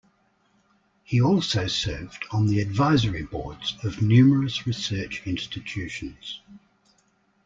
He also served on the advisory boards of numerous research institutions.